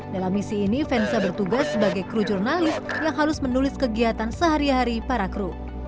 dalam misi ini vensa bertugas sebagai kru jurnalis yang harus menulis kegiatan sehari hari para kru